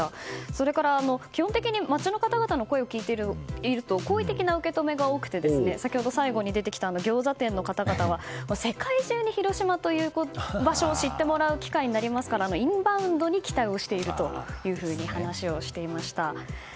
それから、基本的に街の方々の声を聞いていると好意的な受け止めが多くて先ほど最後に出てきたギョーザ店の方々は世界中に広島という場所を知っていただく機会になりますからインバウンドに期待していると話をしていました。